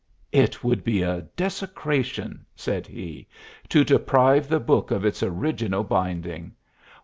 "It would be a desecration," said he, "to deprive the book of its original binding.